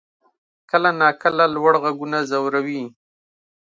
کله ناکله لوړ غږونه ځوروي.